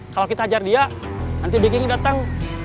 kalau kita hajar dia nanti bikinnya datang